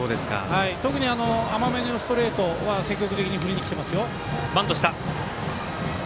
特に甘めのストレートは積極的に振りにきています。